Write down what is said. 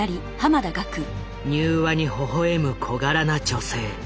柔和にほほ笑む小柄な女性。